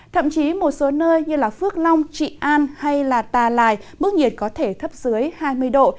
thậm chí một số nơi như phước long trị an hay tà lài mức nhiệt có thể thấp dưới hai mươi độ